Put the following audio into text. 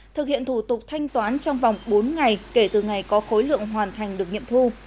thực hiện thủ tục thanh toán trong vòng bốn ngày kể từ ngày có khối lượng hoàn thành được nghiệm thu